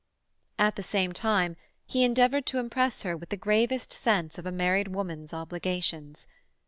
At the same time he endeavoured to impress her with the gravest sense of a married woman's obligations.